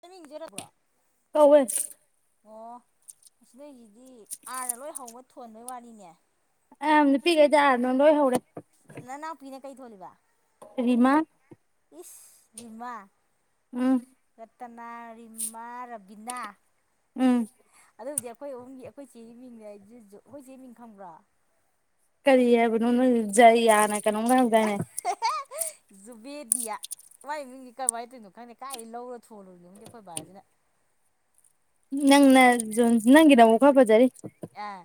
ꯇꯥꯏꯃꯤꯡꯖꯔꯕ꯭ꯔꯣ ꯇꯧꯋꯦ ꯑꯣ ꯑꯁꯤ ꯅꯣꯏꯁꯤꯗꯤ ꯑꯥꯔꯅ ꯂꯣꯏ ꯍꯧꯕ ꯊꯣꯟꯕꯩ ꯋꯥꯔꯤꯅꯦ ꯑ ꯅꯨꯄꯤꯈꯩ ꯇꯥꯗꯅ ꯂꯣꯏ ꯍꯧꯔꯦ ꯅ ꯅꯅꯥꯎꯄꯤꯅ ꯀꯩ ꯊꯣꯜꯂꯤꯕ ꯔꯤꯃꯥ ꯏꯁ ꯂꯤꯃꯥ ꯎꯝ ꯔꯇꯅꯥ ꯔꯤꯃꯥ ꯔꯕꯤꯅꯥ ꯎꯝ ꯑꯗꯨꯕꯨꯗꯤ ꯑꯩꯈꯣꯏ ꯑꯍꯨꯝꯒꯤ ꯑꯩꯈꯣꯏ ꯆꯦ ꯃꯤꯡꯗ ꯑꯖꯨꯖꯨ ꯑꯩꯈꯣꯏ ꯆꯦ ꯃꯤꯡ ꯈꯪꯕ꯭ꯔꯥ ꯀꯔꯤ ꯍꯥꯏꯕꯅꯣ ꯅꯣꯏ ꯖꯌꯥꯅ ꯀꯩꯅꯣꯝꯒ ꯍꯧꯗꯥꯥꯏꯅꯦ [unintelligible] ꯖꯨꯕꯦꯗꯤꯌꯥ ꯃꯥꯏ ꯏꯃꯤꯡꯗꯤ ꯀꯕꯥꯥꯏ ꯇꯣꯏꯅꯣ ꯈꯪꯗꯦ ꯀꯥꯏꯗꯩ ꯂꯧꯔ ꯊꯣꯜꯂꯨꯔꯤꯅꯣ ꯈꯪꯗꯦ ꯑꯩꯈꯣꯏ ꯕꯥꯖꯤꯅ ꯅꯪꯅ ꯖꯣꯟ ꯅꯪꯒꯤꯗꯃꯨꯛ ꯈꯔ ꯐꯖꯔꯤ ꯑꯥ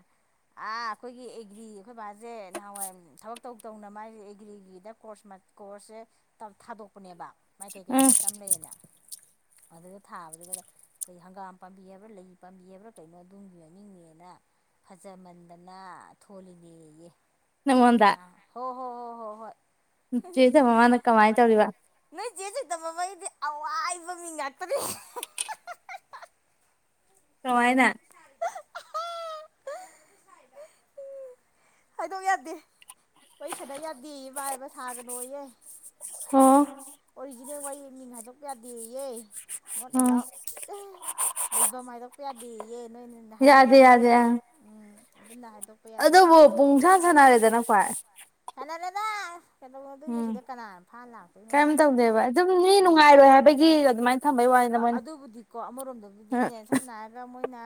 ꯑꯥ ꯑꯩꯈꯣꯏꯒꯤ ꯑꯦꯒ꯭ꯔꯤ ꯑꯩꯈꯣꯏ ꯕꯥꯖꯦ ꯅꯍꯥꯟꯋꯥꯏꯑꯝ ꯊꯕꯛ ꯇꯧ ꯇꯧꯅ ꯃꯥꯥꯏ ꯑꯦꯒ꯭ꯔꯤꯒꯤꯗ ꯀꯣꯔꯁ ꯃꯠ ꯀꯣꯔꯁꯁꯦ ꯇꯞ ꯊꯥꯗꯣꯛꯄꯅꯦꯕ ꯃꯥꯏ ꯀꯩꯀꯩ ꯎꯝ ꯀꯣꯔꯁ ꯌꯥꯝ ꯂꯩꯌꯦꯅ ꯑꯗꯨꯗ ꯊꯥꯕꯗꯨꯗꯒ ꯀꯩ ꯍꯪꯒꯥꯝ ꯄꯥꯝꯕꯤ ꯍꯥꯏꯕ꯭ꯔꯥ ꯂꯩ ꯄꯥꯝꯕꯤ ꯍꯥꯏꯕ꯭ꯔꯥ ꯀꯩꯅꯣ ꯑꯗꯨꯝꯒꯤ ꯃꯅꯤꯡꯅꯦꯅ ꯐꯖꯃꯟꯗꯅ ꯊꯣꯜꯂꯤꯅꯦꯌꯦ ꯅꯪꯉꯣꯟꯗ ꯃ ꯍꯣ ꯍꯣ ꯍꯣ ꯍꯣ ꯍꯣꯏ ꯗ ꯃꯃꯥꯅ ꯀꯃꯥꯏ ꯇꯧꯔꯤꯕ ꯅꯣꯏ ꯆꯦ ꯆꯤꯇꯕ ꯕꯩꯗꯤ ꯑꯋꯥꯏꯕ ꯃꯤꯡ ꯉꯥꯛꯇꯅꯦ ꯀꯃꯥꯏꯅ ꯍꯥꯏꯗꯣꯛ ꯌꯥꯗꯦ ꯋꯔꯤ ꯁꯅꯥ ꯌꯥꯗꯦꯌꯦ ꯃꯥ ꯍꯥꯏꯕ ꯁꯥꯒꯅꯣꯌꯦ ꯑꯣ ꯑꯣꯏ ꯒꯤꯅꯦ ꯋꯥꯔꯤ ꯃꯤꯡ ꯍꯥꯏꯗꯣꯛꯄ ꯌꯥꯗꯦꯌꯦ ꯅꯣꯠ ꯎꯝ ꯑꯦꯂꯥꯎꯠ ꯑꯥ ꯂꯩꯕꯝ ꯍꯥꯏꯗꯣꯛꯄ ꯌꯥꯗꯦꯌꯦ ꯅꯣꯏꯅꯅ ꯌꯥꯗꯦ ꯍꯥꯏꯅꯔꯛꯏꯕ ꯌꯥꯗꯦ ꯑ ꯎꯝ ꯑꯗꯨꯝꯅ ꯍꯥꯏꯗꯣꯛ ꯑꯗꯨꯕꯨ ꯄꯨꯡꯁꯥꯟ ꯁꯥꯟꯅꯔꯦꯗꯅ ꯈꫭꯏ ꯁꯅꯥꯔꯦꯗꯥ ꯎꯝ ꯀꯩꯝ ꯇꯧꯗꯦꯕ ꯑꯗꯨꯝ ꯃꯤ ꯅꯨꯡꯉꯥꯏꯔꯣꯏ ꯍꯥꯏꯕꯒꯤ ꯑꯗꯨꯃꯥꯏꯅ ꯊꯝꯕꯩ ꯋꯥꯅꯤꯗ ꯃꯣꯏꯅ ꯑꯗꯨꯕꯨꯗꯤ ꯀꯣ ꯑꯃꯔꯣꯝꯗꯕꯨꯗꯤꯅꯦ ꯁꯝꯅ ꯍꯥꯏ ꯑꯗ ꯃꯣꯏꯅ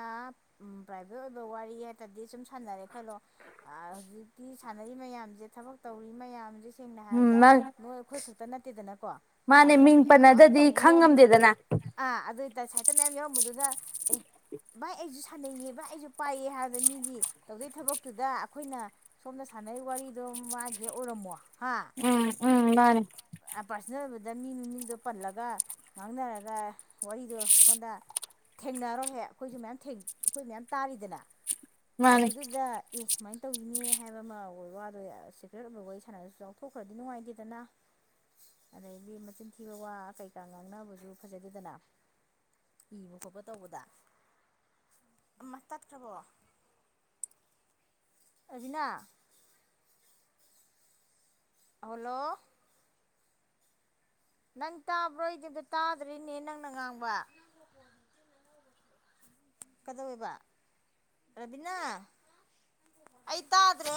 ꯎꯝ ꯄ꯭ꯔꯥꯏꯚꯦꯠ ꯑꯣꯏꯕ ꯋꯥꯔꯤ ꯍꯥꯏꯇꯥꯔꯗꯤ ꯁꯨꯝ ꯁꯥꯟꯅꯔꯦ ꯈꯜꯂꯣ ꯑꯥ ꯍꯧꯖꯤꯛ ꯀꯤ ꯁꯥꯟꯅꯔꯤ ꯃꯌꯥꯝꯖꯦ ꯊꯕꯛ ꯇꯧꯔꯤ ꯃꯌꯥꯝꯖꯦ ꯁꯦꯡꯅ ꯎꯝ ꯍꯥꯏꯔꯕꯗ ꯅꯣꯏ ꯑꯩꯈꯣꯏ ꯈꯛꯇ ꯅꯠꯇꯦꯗꯅꯀꯣ ꯃꯥꯅꯦ ꯁꯥꯏꯠꯇ ꯃꯤꯡ ꯃꯌꯥꯝ ꯄꯟꯅꯗꯗꯤ ꯇꯧꯕ ꯈꯪ ꯌꯥꯎꯅꯤ ꯉꯝꯗꯦꯗꯅ ꯑ ꯑꯗꯨꯏ ꯇ ꯁꯥꯏꯠꯇ ꯃꯌꯥꯝ ꯌꯥꯎꯔꯝꯕꯗꯨꯗ ꯑꯦ ꯚꯥꯏ ꯑꯩꯁꯨ ꯁꯥꯟꯅꯩꯌꯦ ꯚꯥꯏ ꯑꯩꯁꯨ ꯄꯥꯏꯌꯦ ꯍꯥꯏꯕꯗ ꯃꯤꯒꯤ ꯇꯧꯗꯩ ꯊꯕꯛꯇꯨꯗ ꯑꯩꯈꯣꯏꯅ ꯁꯣꯝꯗ ꯁꯥꯟꯅꯩ ꯋꯥꯔꯤꯗꯣ ꯃꯥꯒꯤ ꯍꯦꯛ ꯑꯣꯏꯔꯝꯃꯣ ꯍꯥ ꯎꯝ ꯎꯝ ꯃꯥꯅꯤ ꯄꯥꯔꯁꯣꯅꯦꯜ ꯑꯣꯏꯕꯗ ꯃꯤ ꯃꯃꯤꯡꯗꯣ ꯄꯜꯂꯒ ꯉꯥꯡꯅꯔꯒ ꯋꯥꯔꯤꯗꯣ ꯁꫭꯝꯗ ꯊꯦꯡꯅꯔꯣ ꯍꯦꯛ ꯑꯩꯈꯣꯏꯁꯨ ꯃꯌꯥꯝ ꯊꯦꯡ ꯑꯩꯈꯣꯏ ꯃꯌꯥꯝ ꯇꯥꯔꯤꯗꯅ ꯃꯥꯅꯦ ꯑꯗꯨꯗꯨꯗ ꯑꯦ ꯁꯨꯃꯥꯏꯅ ꯇꯧꯋꯤꯅꯦ ꯍꯥꯏꯕ ꯑꯃ ꯑꯣꯏꯕ ꯋꯥ ꯑꯗꯣ ꯁꯦꯀ꯭ꯔꯦꯠ ꯑꯣꯏꯕ ꯋꯥꯔꯤ ꯁꯥꯟꯅꯁꯨ ꯆꯥꯎꯊꯣꯛꯈ꯭ꯔꯗꯤ ꯅꯨꯡꯉꯥꯏꯇꯦꯗꯅ ꯑꯗꯩꯗꯤ ꯃꯆꯤꯟ ꯊꯤꯕ ꯋꯥ ꯀꯩꯀꯥ ꯉꯥꯡꯅꯕꯁꯨ ꯐꯖꯗꯦꯗꯅ ꯏꯕ ꯈꯣꯠꯄ ꯇꯧꯕꯗ ꯑꯃꯥ ꯇꯠꯈ꯭ꯔꯕꯣ ꯑꯔꯕꯤꯅꯥ ꯑꯍꯥꯜꯂꯣ ꯅꯪ ꯇꯥꯕ꯭ꯔꯣ ꯑꯩꯗꯤ ꯑꯝꯇ ꯇꯥꯗ꯭ꯔꯦꯅꯦ ꯅꯪꯅ ꯉꯥꯡꯕ ꯀꯗꯧꯋꯦꯕ ꯔꯕꯤꯅꯥ ꯑꯩ ꯇꯥꯗ꯭ꯔꯦꯍꯦ